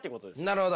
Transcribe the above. なるほど。